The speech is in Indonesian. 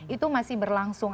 itu masih berlangsung